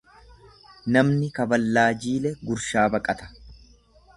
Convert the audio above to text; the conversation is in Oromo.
Namni kaballaa jiile gurshaa baqata.